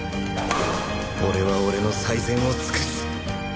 俺は俺の最善を尽くす！